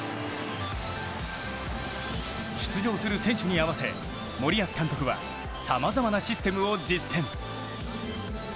出場する選手に合わせ森保監督はさまざまなシステムを実践。